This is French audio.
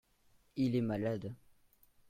Il est malade.